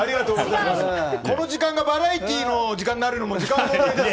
この時間がバラエティーの時間になるのも時間の問題です。